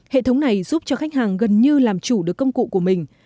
hệ thống này giúp cho khách hàng gần như làm chủ được công cụ của mình